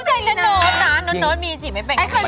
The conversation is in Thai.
ผู้ชายจะโน๊ตนะโน๊ตโน๊ตมีจีบไม่เป็นก็ไม่มีอ่ะจริงอ่ะ